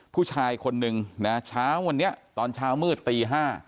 ผู้ชายคนนึงนะเช้าวันนี้ตอนเช้ามืดตี๕